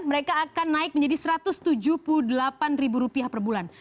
mereka akan naik menjadi satu ratus tujuh puluh delapan ribu rupiah perbulan